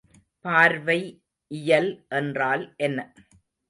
பார்வை இயல் என்றால் என்ன?